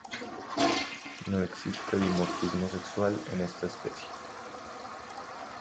No existe dimorfismo sexual en esta especie.